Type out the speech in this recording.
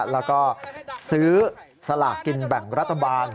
แล้วก็ซื้อสลากกินแบ่งรัฐบาล